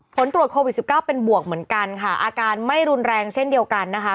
ผลตรวจโควิด๑๙เป็นบวกเหมือนกันค่ะอาการไม่รุนแรงเช่นเดียวกันนะคะ